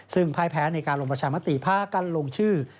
ซึ่งพ่ายแพ้ในการลงประชามติพากันลงชื่อ